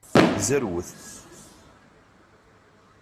Zerwet.